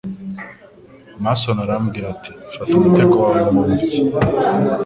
Mason arambwira ati Fata umutego wawe mu ntoki